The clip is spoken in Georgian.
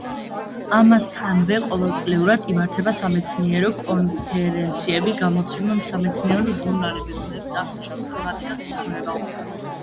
ამასთანავე ყოველწლიურად იმართება სამეცნიერო კონფერენციები, გამოიცემა სამეცნიერო ჟურნალები, რომელიც აღნიშნულ თემატიკას ეძღვნება.